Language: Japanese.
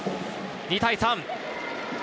２対３。